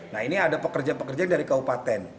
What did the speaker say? nah ini ada pekerja pekerja dari kaupaten